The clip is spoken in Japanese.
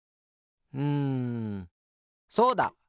うんそうだ！